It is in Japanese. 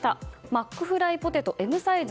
マックフライポテトＭサイズ